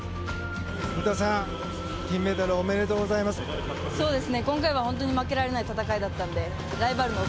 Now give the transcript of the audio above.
詩さん金メダルおめでとうございます。